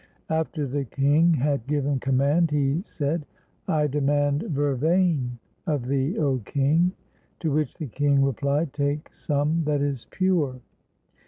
After the king had given command, he said, " I demand vervain of thee, 0 king." To which the king replied, "Take some that is pure."